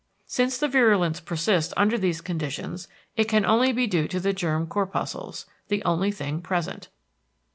Since the virulence persists under these conditions it can only be due to the germ corpuscles—the only thing present.